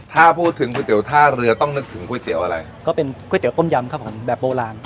ถ้าพูดถึงก๋วยเตี๋ท่าเรือต้องนึกถึงก๋วยเตี๋ยวอะไรก็เป็นก๋วยเตี๋ต้มยำครับผมแบบโบราณ